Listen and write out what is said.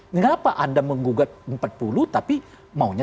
mengapa anda menggugat empat puluh tapi maunya tiga puluh lima